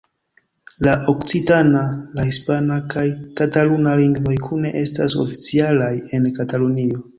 La okcitana, la hispana kaj kataluna lingvoj kune estas oficialaj en Katalunio.